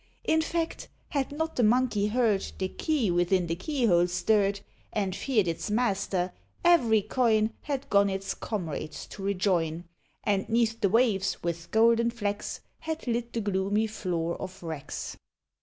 In fact, had not the Monkey heard The key within the key hole stirred, And feared its Master, every coin Had gone its comrades to rejoin, And 'neath the waves with golden flecks Had lit the gloomy floor of wrecks.